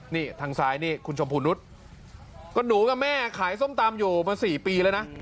นี่ทางซ้ายนี่คุณชมพูนุษย์ก็หนูกับแม่ขายส้มตำอยู่มา๔ปีแล้วนะ